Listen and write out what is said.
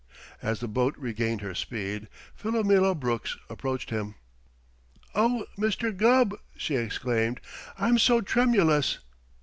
As the boat regained her speed, Philomela Brooks approached him. "Oh, Mr. Gubb!" she exclaimed, "I'm so tremulous."